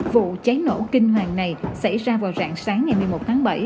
vụ cháy nổ kinh hoàng này xảy ra vào rạng sáng ngày một mươi một tháng bảy